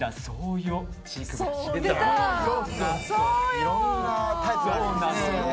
いろんなタイプがあるんですね。